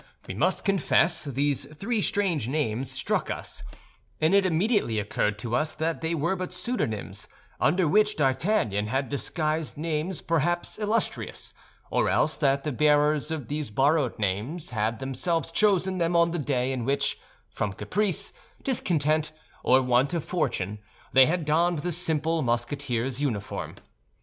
We must confess these three strange names struck us; and it immediately occurred to us that they were but pseudonyms, under which D'Artagnan had disguised names perhaps illustrious, or else that the bearers of these borrowed names had themselves chosen them on the day in which, from caprice, discontent, or want of fortune, they had donned the simple Musketeer's uniform.